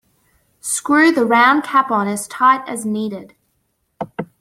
Screw the round cap on as tight as needed.